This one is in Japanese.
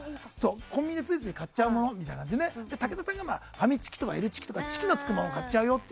コンビニでついつい買っちゃうものってことで武田さんがファミチキとかＬチキとかチキのつくもの買っちゃうよって。